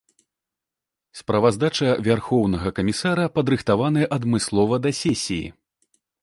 Справаздача вярхоўнага камісара падрыхтаваная адмыслова да сесіі.